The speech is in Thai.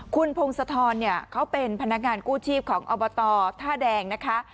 คุณพงศธรเนี่ยเขาเป็นพนักงานกู้ชีพของอบตท่าแดงนะคะ